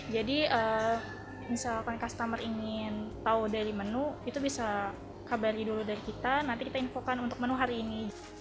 jadi misalkan customer ingin tahu dari menu itu bisa kabari dulu dari kita nanti kita infokan untuk menu hari ini